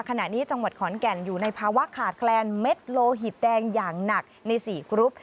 ขณะนี้จังหวัดขอนแก่นอยู่ในภาวะขาดแคลนเม็ดโลหิตแดงอย่างหนักใน๔กรุ๊ป